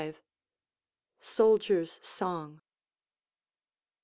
V. Soldier's Song.